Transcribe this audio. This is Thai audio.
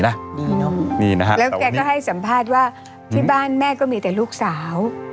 นี่นะฮะแล้วแกก็ให้สัมภาษณ์ว่าที่บ้านแม่ก็มีแต่ลูกสาว